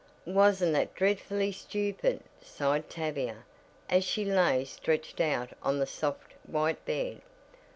"Wasn't that dreadfully stupid!" sighed Tavia, as she lay stretched out on the soft, white bed.